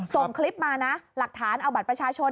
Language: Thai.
ส่งคลิปมานะหลักฐานเอาบัตรประชาชน